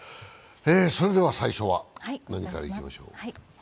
それでは最初は何からいきましょう。